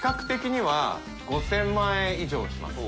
然陛砲５０００万円以上します。